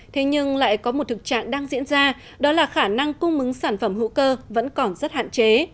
thế nhưng lại có một thực trạng đang diễn ra đó là khả năng cung mứng sản phẩm hữu cơ vẫn còn rất hạn chế